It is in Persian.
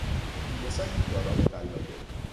توله سگی دارای قلاده